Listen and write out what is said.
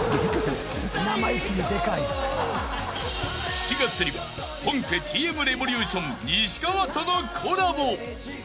［７月には本家Ｔ．Ｍ．Ｒｅｖｏｌｕｔｉｏｎ西川とのコラボ］